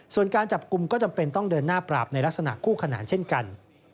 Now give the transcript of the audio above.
ส่วนการจับกลุ่มก็จำเป็นต้องเดินหน้าปราบในลักษณะคู่ขนานเช่นกัน